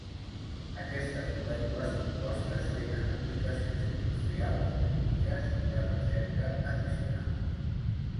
Aquestes molècules compostes tenen aplicacions industrials, clíniques i de recerca addicionals.